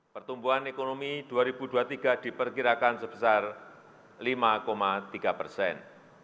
pertumbuhan ekonomi dua ribu dua puluh tiga diperkirakan sebesar lima tiga persen